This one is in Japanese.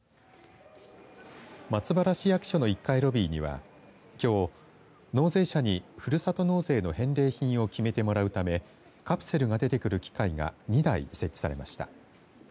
松原市役所の１階ロビーにはきょう、納税者にふるさと納税の返礼品を決めてもらうためカプセルが出てくる機械が２台設置されました。